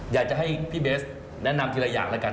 อยากจะให้พี่เบสแนะนำทีละอย่างแล้วกัน